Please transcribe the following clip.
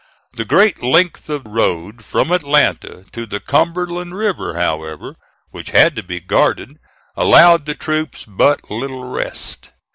The great length of road from Atlanta to the Cumberland River, however, which had to be guarded, allowed the troops but little rest.